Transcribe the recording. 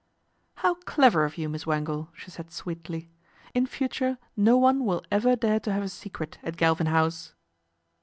" How clever of you, Miss Wangle," she said sweetly. " In future no one will ever dare to have a secret at Galvin House."